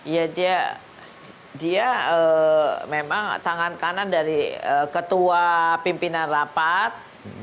ya dia memang tangan kanan dari ketua pimpinan rapat